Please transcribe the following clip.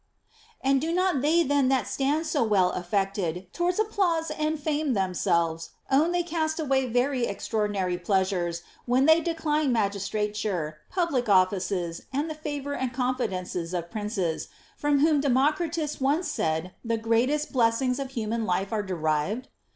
And do not they then that stand so well affected towards applause and fame themselves own they cast away very extraordinary pleasures, when they decline magistra ture, public offices, and the favor and confidences of princes, from whom Democritus once said the grandest blessings of human life are derived